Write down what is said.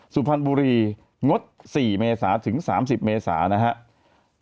สุพรรณบุรีงด๔เมษาถึง๓๐เมษานะครับ